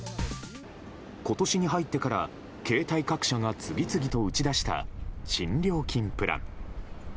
今年に入ってから携帯各社が次々と打ち出した新料金プラン。